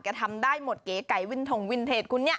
ก็ทำได้หมดเก๋ไก่วินถงวินเทจคุณเนี่ย